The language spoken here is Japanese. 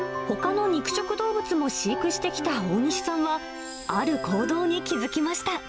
ほかの肉食動物も飼育してきたおおにしさんは、ある行動に気付きました。